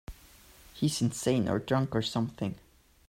He's insane or drunk or something.